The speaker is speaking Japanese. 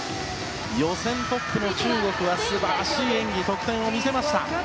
予選トップの中国は素晴らしい演技得点を見せました。